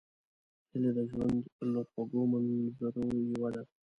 هیلۍ د ژوند له خوږو منظرو یوه ده